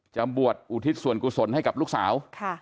บวชอุทิศส่วนกุศลให้กับลูกสาว